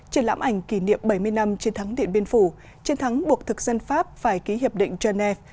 triển lãm ảnh kỷ niệm bảy mươi năm chiến thắng điện biên phủ chiến thắng buộc thực dân pháp phải ký hiệp định genève